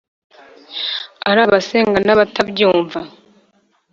ari abasenga n’abatabyumva